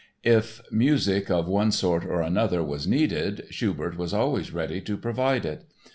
If music of one sort or another was needed, Schubert was always ready to provide it.